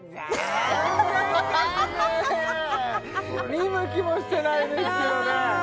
見向きもしてないですけどね